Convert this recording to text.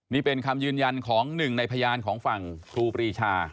นี่เป็นคำยืนยันของหนึ่งในพยานของฝั่งครูปรีชา